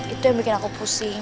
itu yang bikin aku pusing